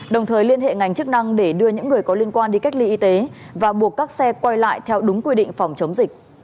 đồng thời liên hệ ngành chức năng để đưa những người có liên quan đi cách ly y tế và buộc các xe quay lại theo đúng quy định phòng chống dịch